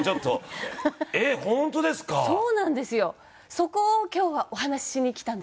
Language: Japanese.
そこを今日はお話ししに来たんです。